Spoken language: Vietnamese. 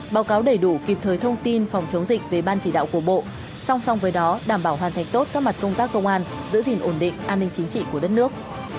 báo cáo đầy đủ kịp thời thông tin phòng chống dịch về ban chỉ đạo của bộ song song với đó đảm bảo hoàn thành tốt các mặt công tác công an giữ gìn ổn định an ninh chính trị của đất nước